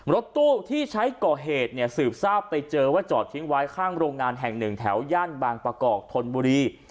รถตู้ที่ใช้ก่อเหตุเนี่ยสืบทราบไปเจอว่าจอดทิ้งไว้ข้างโรงงานแห่งหนึ่งแถวย่านบางประกอบธนบุรี